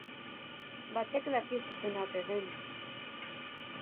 Batek daki zuzena ote den!